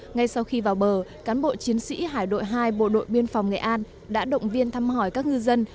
ngay sau khi vào bờ cán bộ chiến sĩ hải đội hai bộ đội biên phòng nghệ an đã động viên thăm hỏi các ngư dân